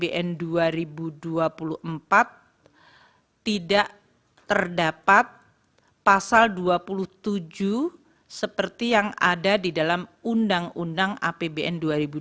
bpn dua ribu dua puluh empat tidak terdapat pasal dua puluh tujuh seperti yang ada di dalam undang undang apbn dua ribu dua puluh